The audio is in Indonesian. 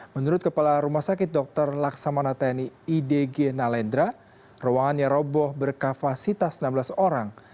menurut kepala rumah sakit dr laksamana tni idg nalendra ruangan yang roboh berkapasitas enam belas orang